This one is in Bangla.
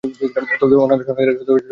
তবে অন্যান্য সনদে এর সমর্থন পাওয়া যায়।